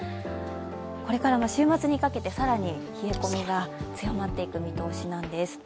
これからも週末にかけて更に冷え込みが強まっていく見通しなんです。